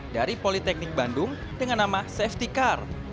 dari politeknik bandung dengan nama safety car